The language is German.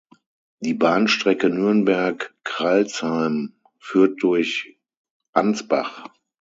Die Bahnstrecke Nürnberg-Crailsheim führt durch Ansbach.